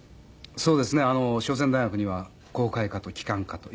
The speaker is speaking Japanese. そうですね。商船大学には航海科と機関科と。